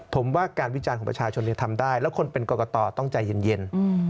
ผมว่าการวิจารณ์ของประชาชนทำได้แล้วคนเป็นกรกตต้องใจเย็น